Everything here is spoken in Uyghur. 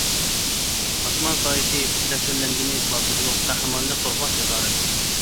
ئاسمان سايىسى تەسۋىرلەنگىنى باتۇرلۇق، قەھرىمانلىق، قورقماس جاسارەت.